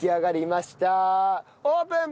オープン！